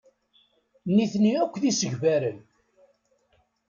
Nitni akk d isegbaren.